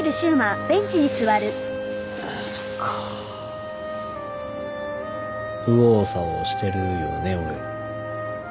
はぁそっか。右往左往してるよね俺。